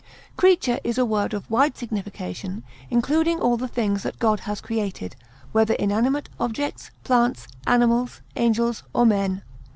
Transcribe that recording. Creature is a word of wide signification, including all the things that God has created, whether inanimate objects, plants, animals, angels, or men.